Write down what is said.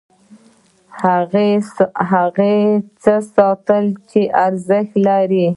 هغه څه ساتي چې ارزښت لري.